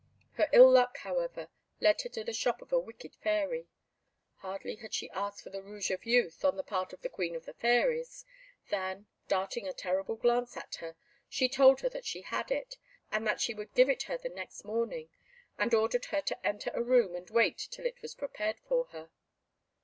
Her ill luck, however, led her to the shop of a wicked fairy. Hardly had she asked for the Rouge of Youth, on the part of the Queen of the Fairies, than, darting a terrible glance at her, she told her that she had it, and that she would give it her the next morning, and ordered her to enter a room and wait till it was prepared for her.